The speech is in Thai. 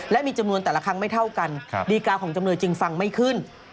และมีจำนวนแต่ละครั้งไม่เท่ากันดีการของจำเลยจึงฟังไม่ขึ้น